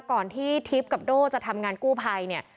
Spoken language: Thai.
ก่อนที่ทิพย์กับโด่จะทำงานกู้ภัยเนี่ย